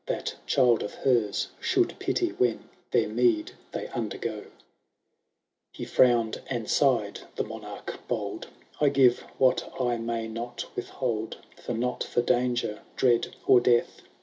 That child of hers should pity, when Their meed they undergo/ XXII. ^ He finown^d and sighed, the Monarch bold :—* I give— what I may not withhold ; For, not for danger, dread, or death.